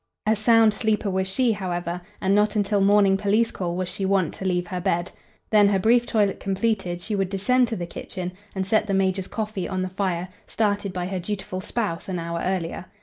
A sound sleeper was she, however, and not until morning police call was she wont to leave her bed. Then, her brief toilet completed, she would descend to the kitchen and set the major's coffee on the fire, started by her dutiful spouse an hour earlier.